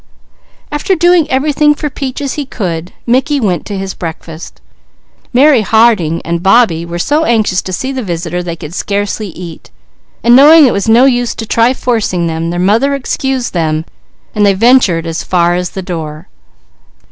After doing everything for Peaches he could, Mickey went to his breakfast. Mary Harding and Bobbie were so anxious to see the visitor they could scarcely eat. Knowing it was no use to try forcing them, their mother excused them and they ventured as far as the door.